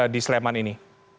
di sleman ini